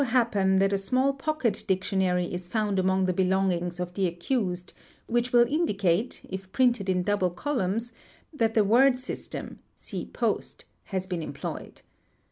happen that a small pocket dictionary is found among the belongings of the accused, which will indicate, if printed in double columns, that the word system (see post) has been employed.